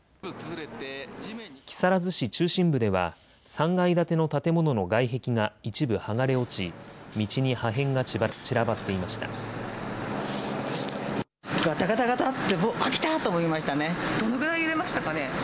木更津市中心部では、３階建ての建物の外壁が一部剥がれ落ち、道に破片が散らばっていがたがたがたって、わっ、どのぐらい揺れましたかね。